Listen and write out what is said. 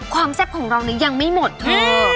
ความแซ่บของเราเนี่ยยังไม่หมดเธอ